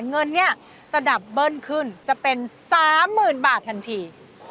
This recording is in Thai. เงินเนี่ยจะดับเบิ้ลขึ้นจะเป็น๓๐๐๐บาททันที